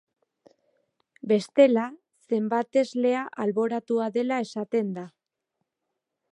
Bestela, zenbateslea alboratua dela esaten da.